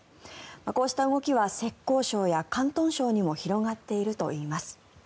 こうした動きは浙江省や広東省にも広がっているといいます。